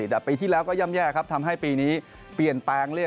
แต่ปีที่แล้วก็ย่ำแย่ครับทำให้ปีนี้เปลี่ยนแปลงเรื่อย